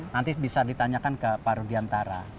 nanti bisa ditanyakan ke pak rudiantara